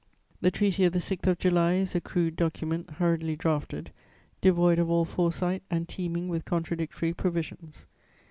"The Treaty of the 6th of July is a crude document hurriedly drafted, devoid of all foresight and teeming with contradictory provisions.